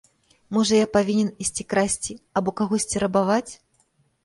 Можа, я павінен ісці красці або кагосьці рабаваць?